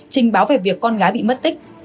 trình báo về việc con gái bị mất tích